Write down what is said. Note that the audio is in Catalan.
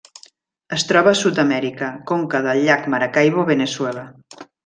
Es troba a Sud-amèrica: conca del llac Maracaibo a Veneçuela.